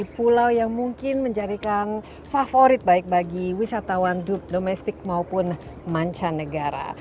pulau yang mungkin menjadikan favorit baik bagi wisatawan domestik maupun mancanegara